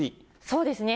そうですね。